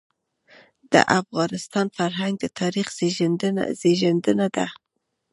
د افغانستان فرهنګ د تاریخ زېږنده دی.